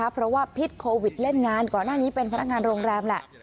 เพราะว่าพิษโควิดเล่นงานก่อนหน้านี้เป็นพนักงานโรงแรมแหละ